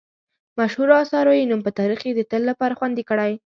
مشهورو اثارو یې نوم په تاریخ کې د تل لپاره خوندي کړی.